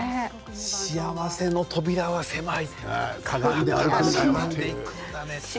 「幸せの扉は狭い」。